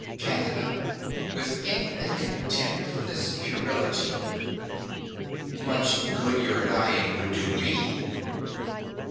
CANDIDA (with infinite contempt for this puerility). Much good your dying would do me!